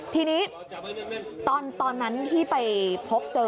ทีนี้ตอนนั้นที่ไปพบเจอ